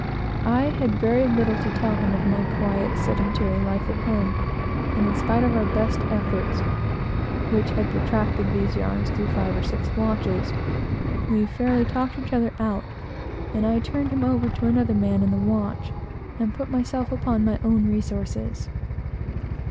I had very little to tell him of my quiet, sedentary life at home; and, in spite of our best efforts, which had protracted these yarns through five or six watches, we fairly talked one another out, and I turned him over to another man in the watch, and put myself upon my own resources.